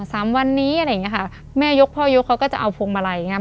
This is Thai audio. สามวันนี้อะไรอย่างเงี้ค่ะแม่ยกพ่อยกเขาก็จะเอาพวงมาลัยอย่างเงี้